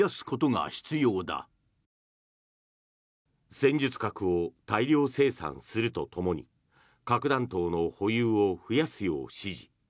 戦術核を大量生産するとともに核弾頭の保有を増やすよう指示。